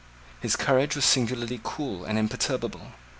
His courage was singularly cool and imperturbable.